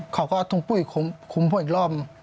เขาก็ต้องปุ้ยคุมพวกอีกรอบ